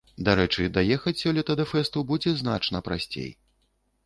Дарэчы, даехаць сёлета да фэсту будзе значна прасцей.